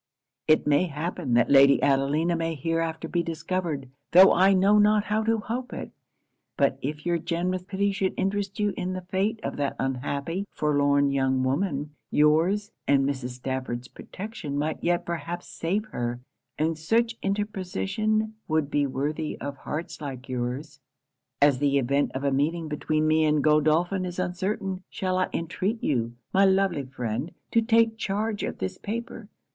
'It may happen that Lady Adelina may hereafter be discovered tho' I know not how to hope it. But if your generous pity should interest you in the fate of that unhappy, forlorn young woman, your's and Mrs. Stafford's protection might yet perhaps save her; and such interposition would be worthy of hearts like yours. As the event of a meeting between me and Godolphin is uncertain, shall I entreat you, my lovely friend, to take charge of this paper.